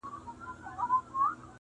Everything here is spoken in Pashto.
په نصیب دي د هغه جهان خواري ده -